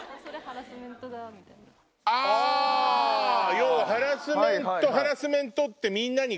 要はハラスメントハラスメント！ってみんなに。